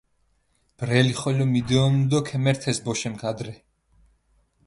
ბრელი ხოლო მიდეჸონ დო ქემერთეს ბოშენქ ადრე.